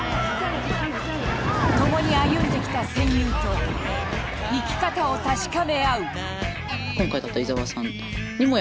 共に歩んできた戦友と生き方を確かめ合う。